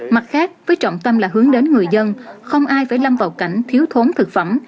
mặt khác với trọng tâm là hướng đến người dân không ai phải lâm vào cảnh thiếu thốn thực phẩm